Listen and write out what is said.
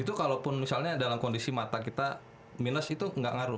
itu kalaupun misalnya dalam kondisi mata kita minus itu gak ngaruh